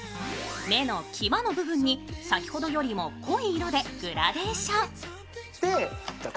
目のきわの部分に先ほどよりも濃い色でグラデーション。